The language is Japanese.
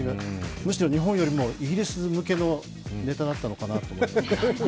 むしろ日本よりもイギリス向けのネタだったのかなって思って。